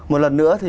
một lần nữa thì